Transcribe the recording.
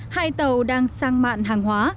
hai tàu đang sang mạng hàng hóa